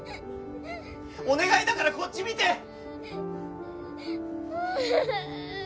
お願いだからこっち見て！